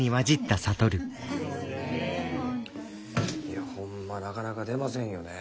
いやホンマなかなか出ませんよね